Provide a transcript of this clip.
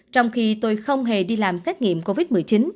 trong khi tôi không hề đi làm xét nghiệm covid một mươi chín